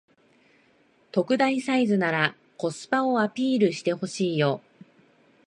特大サイズならコスパをアピールしてほしいよ